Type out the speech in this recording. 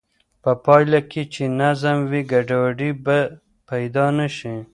په پایله کې چې نظم وي، ګډوډي به پیدا نه شي.